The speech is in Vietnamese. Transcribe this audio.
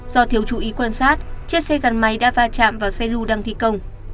do thiếu chú ý quan sát chiếc xe gắn máy đã va chạm vào xe lưu đang thi công